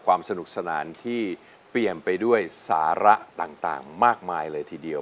ความสนุกสนานที่เปลี่ยนไปด้วยสาระต่างมากมายเลยทีเดียว